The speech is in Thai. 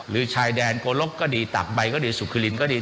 ชายแดนโกลกก็ดีตักใบก็ดีสุขิลินก็ดี